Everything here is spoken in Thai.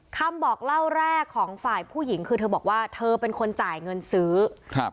คำบอกเล่าแรกของฝ่ายผู้หญิงคือเธอบอกว่าเธอเป็นคนจ่ายเงินซื้อครับ